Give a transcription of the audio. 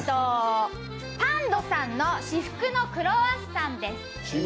パン＆さんの至福のクロワッサンです。